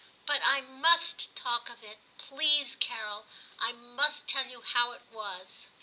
* But I must talk of it, please, Carol ; I must tell you how it was.